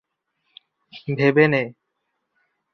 ভেবে নে!